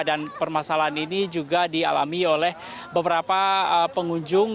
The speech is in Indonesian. dan permasalahan ini juga dialami oleh beberapa pengunjung